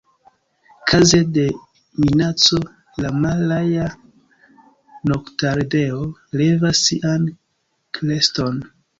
Kaze de minaco, la Malaja noktardeo levas sian kreston.